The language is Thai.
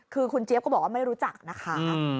คือคุณเจี๊ยบก็บอกว่าไม่รู้จักนะคะ